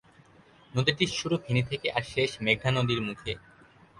নদীটির শুরু ফেনী থেকে আর শেষ মেঘনা নদীর মুখে।